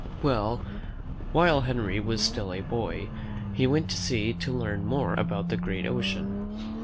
*" •""^•lirr Well, while Henry was still a boy, he went to sea to learn more about the great ocean.